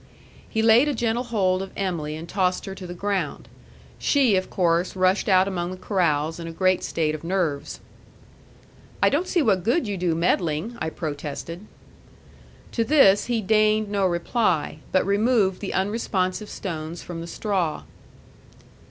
He laid a gentle hold of Em'ly and tossed her to the ground. She, of course, rushed out among the corrals in a great state of nerves. "I don't see what good you do meddling," I protested. To this he deigned no reply, but removed the unresponsive stones from the straw.